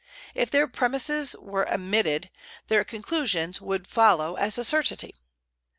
If their premises were admitted, their conclusions would follow as a certainty.